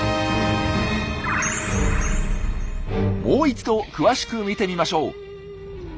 もう一度詳しく見てみましょう。